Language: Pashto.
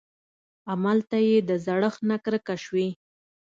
املته يې د زړښت نه کرکه شوې.